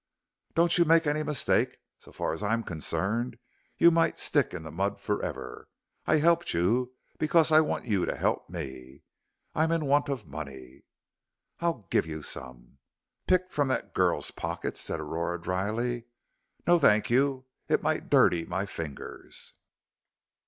"Don't you make any mistake. So far as I am concerned you might stick in the mud forever. I helped you, because I want you to help me. I'm in want of money " "I'll give you some." "Picked from that girl's pockets," said Aurora, dryly, "no, thank you. It might dirty my fingers.